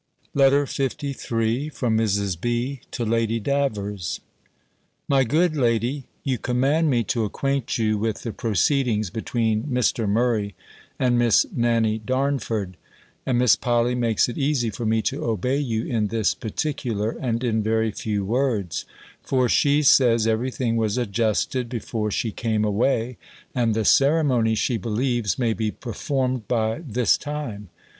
LETTER LIII From Mrs. B. to Lady Davers. MY GOOD LADY, You command me to acquaint you with the proceedings between Mr. Murray and Miss Nanny Darnford: and Miss Polly makes it easy for me to obey you in this particular, and in very few words; for she says, every thing was adjusted before she came away, and the ceremony, she believes, may be performed by this time.